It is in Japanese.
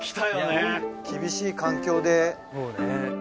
厳しい環境で。